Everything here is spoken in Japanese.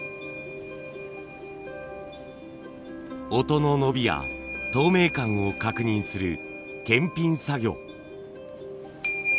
音の伸びや透明感を確認する検品作業。